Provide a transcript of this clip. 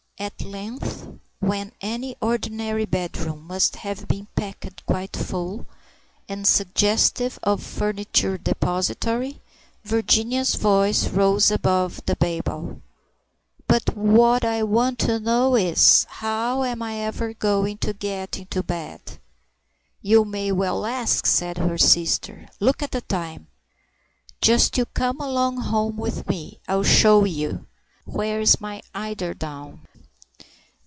At length, when any ordinary bedroom must have been packed quite full, and suggestive of a furniture depository, Virginia's voice rose above the babel— "But what I want to know is, how am I ever going to get into bed?" "You may well ask!" said her sister. "Look at the time! Just you come along home with me. I'll show you. Where's my eiderdown?"